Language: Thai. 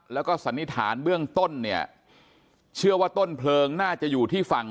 แล้วก็สันนิษฐานเบื้องต้นเนี่ยเชื่อว่าต้นเพลิงน่าจะอยู่ที่ฝั่ง